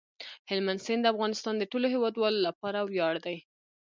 هلمند سیند د افغانستان د ټولو هیوادوالو لپاره ویاړ دی.